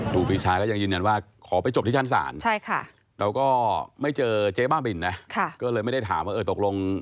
ดูผู้ชายก็ยังยินกันว่าขอไปจบที่ชานศาล